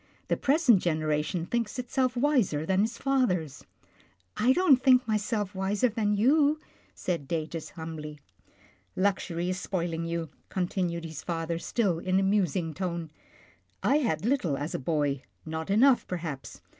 The pres ent generation thinks itself wiser than its fathers." I don't think myself wiser than you," said Datus humbly. " Luxury is spoiling you," continued his father, still in a musing tone. I had little as a boy, not enough, perhaps.